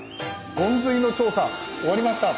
ゴンズイの調査終わりました！